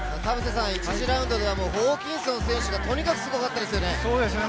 １次ラウンドではホーキンソン選手がとにかくすごかったですよね。